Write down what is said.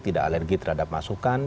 tidak alergi terhadap masukan